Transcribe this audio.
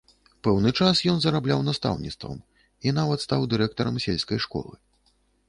Пэўны час ён зарабляў настаўніцтвам і нават стаў дырэктарам сельскай школы.